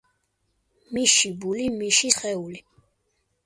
მიში ბული მიში სხული!